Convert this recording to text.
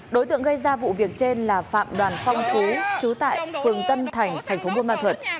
đối tượng gây ra vụ việc trên là phạm đoàn phong phú trú tại phường tân thành thành phố buôn ma thuật